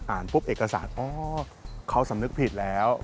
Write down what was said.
ปุ๊บเอกสารอ๋อเขาสำนึกผิดแล้ว